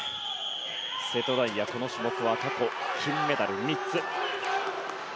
瀬戸大也、この種目は過去、金メダル３つ。